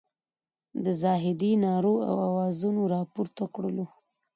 د زاهدي نارو او اوازونو راپورته کړلو.